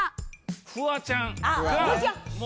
フワちゃん。